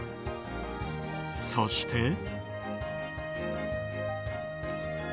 そして。